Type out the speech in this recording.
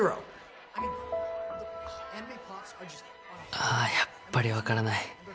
ああやっぱり分からない。